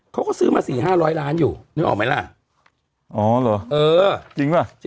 เขาก็ซื้อมาสี่ห้าร้อยล้านอยู่นึกออกไหมล่ะอ๋อเหรอเออจริงป่ะ